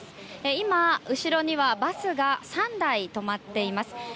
今、後ろにはバスが３台止まっています。